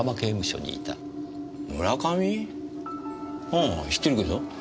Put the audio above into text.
ああ知ってるけど。